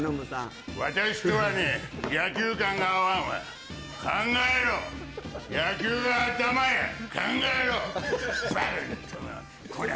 私とはね野球観が合わんわ考えろ野球は頭や考えろバカヤロー